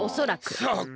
そっか。